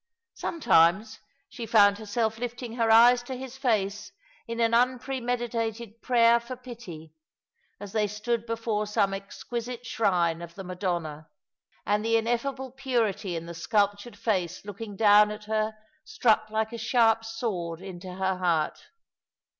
Some times she found herself lifting her eyes to his face in an unpremeditated prayer for pity, as they stood before some exquisite shrine of the Madonna, and the ineffable purity in the sculptured face looking down at her struck like a sharp Bword into her heart.